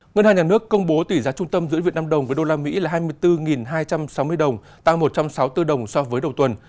ngân hàng nhà nước công bố tỷ giá trung tâm giữa việt nam đồng với đô la mỹ là hai mươi bốn hai trăm sáu mươi đồng tăng một trăm sáu mươi bốn đồng so với đầu tuần